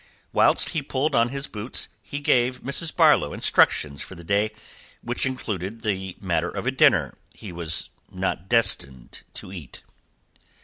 Whilst he pulled on his boots, he gave Mrs. Barlow instructions for the day, which included the matter of a dinner he was not destined to eat.